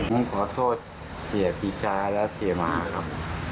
ผมขอโทษเจ๋ยพิชาและเจ๋ยมหาครับ